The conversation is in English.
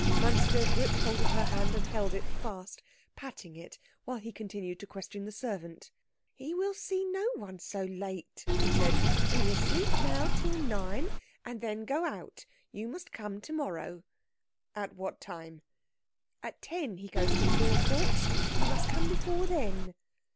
Manske gripped hold of her hand and held it fast, patting it while he continued to question the servant. "He will see no one so late," she said. "He will sleep now till nine, and then go out. You must come to morrow." "At what time?" "At ten he goes to the Law Courts. You must come before then."